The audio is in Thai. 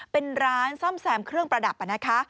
เป็นร้านซ่อมแซมเครื่องประดับนะคะ